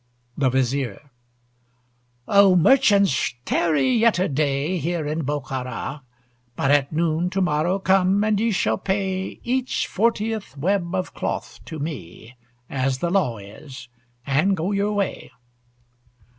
THE VIZIER O merchants, tarry yet a day Here in Bokhara! but at noon, To morrow, come, and ye shall pay Each fortieth web of cloth to me, As the law is, and go your way.